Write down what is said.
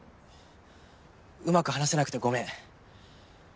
うまく話せなくてごめん。